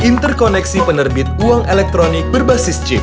interkoneksi penerbit uang elektronik berbasis jeep